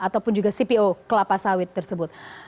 ataupun juga cpo kelapa sawit tersebut